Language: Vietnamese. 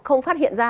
không phát hiện ra